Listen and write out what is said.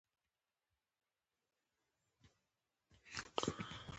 په افغانستان کې د بشر حقونو شالید څیړو.